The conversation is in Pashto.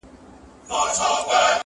د مرګي هسي نوم بدنام دی-